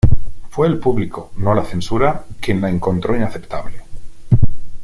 Fue el público, no la censura, quien la encontró inaceptable".